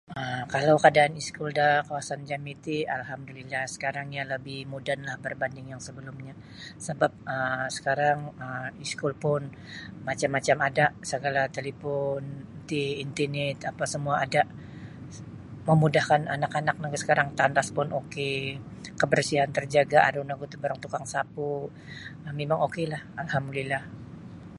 um kalau kaadaan iskul da kawasan jami ti alhamdulillah sekarang iyo lebih modenlah berbanding yang sebelumnyo sebap sekarang um iskul pun macam-macam ada segala talipon ti intenit apa semua ada memudahkan anak-anak nogu sekarang tandas pun ok kabarsihan terjaga aru nogu sekarang tukang sapu mimang oklah alhamdulillah.